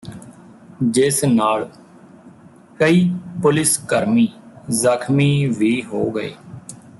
ਜਿਸ ਨਾਲ ਕਈ ਪੁਲਿਸ ਕਰਮੀਂ ਜਖ਼ਮੀਂ ਵੀ ਹੋ ਗਏ